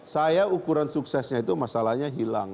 saya ukuran suksesnya itu masalahnya hilang